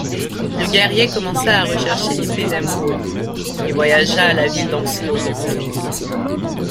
Le guerrier commença à rechercher l’Epée d’Emeraude, et voyagea à la ville d'Ancelot.